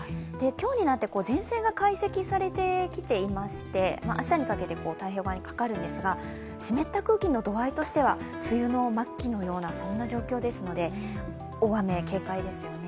今日になって前線が解析されてきていまして、明日にかけて太平洋側にかかるんですが湿った空気の度合いとしては、梅雨の末期のような状況ですので、大雨、警戒ですよね。